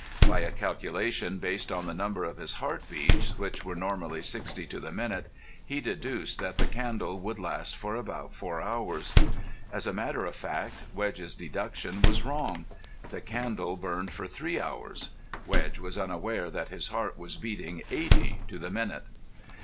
By a calculation based on the number of his heart beats, which were normally sixty to the minute, he deduced that the candle would last for about four hours. As a matter of fact, Wedge's deduction was wrong. The candle burned for three hours. Wedge was unaware that his heart was beating eighty to the minute.